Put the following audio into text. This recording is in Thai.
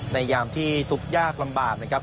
ยามที่ทุกข์ยากลำบากนะครับ